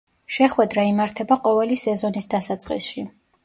შეხვედრა იმართება ყოველი სეზონის დასაწყისში.